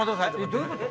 どういうこと？